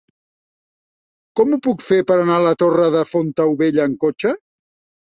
Com ho puc fer per anar a la Torre de Fontaubella amb cotxe?